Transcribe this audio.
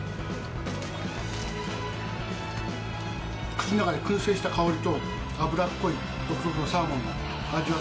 口の中で薫製した香りと脂っこい独特のサーモンの垢襪里